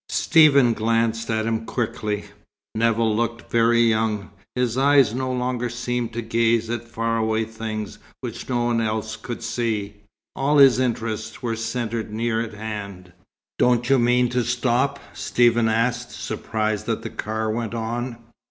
Stephen glanced at him quickly. Nevill looked very young. His eyes no longer seemed to gaze at far away things which no one else could see. All his interests were centred near at hand. "Don't you mean to stop?" Stephen asked, surprised that the car went on.